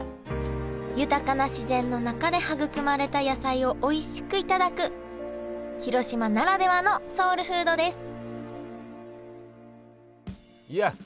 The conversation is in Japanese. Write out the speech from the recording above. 豊かな自然の中で育まれた野菜をおいしく頂く広島ならではのソウルフードですいやカブっといきたいね！